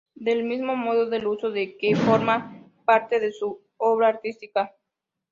Del mismo modo, el uso de la "k" forma parte de su obra artística.